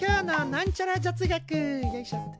よいしょっと。